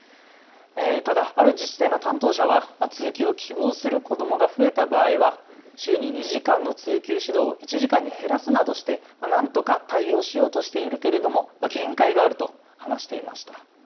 ただある自治体の担当者は通級を希望する子どもが増えた場合は、週に２時間の通級指導を１時間に減らすなどしてなんとか対応しようとしているけれども限界があると話していました。